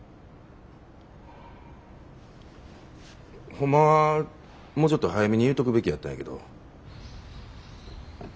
ホンマはもうちょっと早めに言うとくべきやったんやけど。